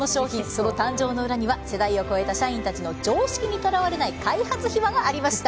その誕生の裏には世代を超えた社員たちの常識にとらわれない開発秘話がありました。